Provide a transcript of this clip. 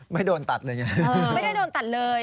ไม่โดนตัดเลยไงไม่ได้โดนตัดเลย